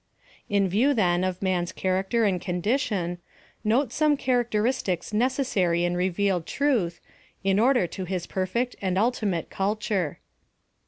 In view, then, of man's character and condition, notice some characteristics necessary in revealed truth, in order to his perfect and ultimate culture.